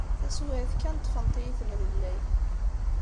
Taswiɛt kan, ṭṭfent-iyi temlellay.